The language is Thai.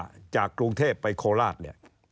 อันนี้จากกรุงเทพไปโคราช